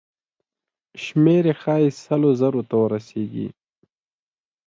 شمېر یې ښایي سلو زرو ته ورسیږي.